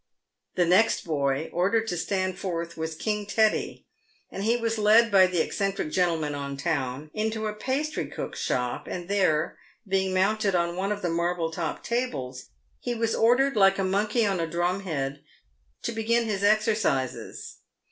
The next boy ordered to stand forth was King Teddy, and he was led, by the eccentric gentlemen on town, into a pastrycook's shop, and there, being mounted on one of the marble topped tables, he was ordered, like a monkey on a drum head, to begin his exercises.